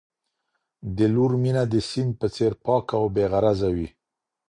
د لور مینه د سیند په څېر پاکه او بې غرضه وي